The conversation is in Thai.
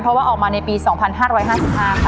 เพราะว่าออกมาในปี๒๕๕๕ค่ะ